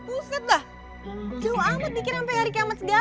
ustadz lah jauh amat bikin sampai hari kiamat segala